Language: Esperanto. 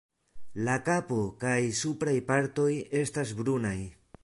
La kapo kaj supraj partoj estas brunaj.